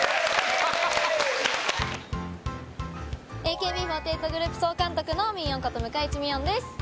ＡＫＢ４８グループ総監督のみーおんこと向井地美音です。